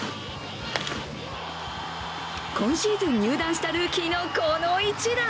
今シーズン入団したルーキーのこの一打。